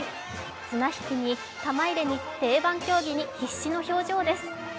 綱引きに玉入れに定番競技に必死の表情です。